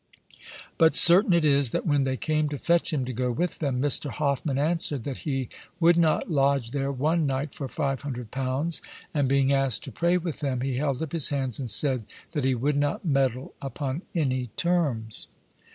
But certain it is, that when they came to fetch him to go with them, Mr. Hoffman answered, that he would not lodge there one night for 500 L, and being asked to pray with them, he held up his hands and said, that he would not meddle upon any terms.